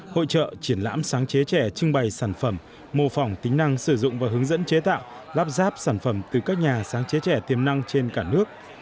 hội trợ triển lãm sáng chế trẻ trưng bày sản phẩm mô phỏng tính năng sử dụng và hướng dẫn chế tạo lắp ráp sản phẩm từ các nhà sáng chế trẻ tiềm năng trên cả nước